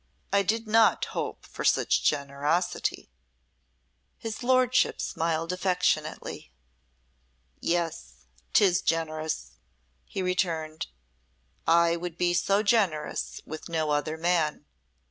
"I did not hope for such generosity." His lordship smiled affectionately. "Yes, 'tis generous," he returned. "I would be so generous with no other man.